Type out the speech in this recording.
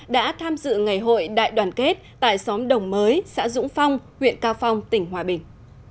đã tham dự ngày hội đại đoàn kết tại xóm đồng mới xã dũng phong huyện cao phong tỉnh hòa bình